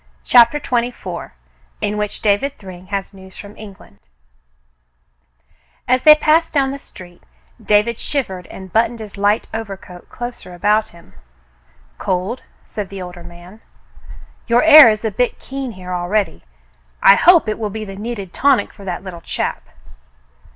CHAPTER XXIV IN WHICH DAVID THRYNG HAS NEWS FROM ENGLAND As they passed down the street, David shivered and buttoned his light overcoat closer about him. "Cold ?" said the older man. "Your air is a bit keen here already. I hope it will be the needed tonic for that little chap."